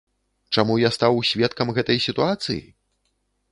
Чаму я стаў сведкам гэтай сітуацыі?